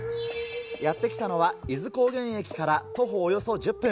やって来たのは、伊豆高原駅から徒歩およそ１０分。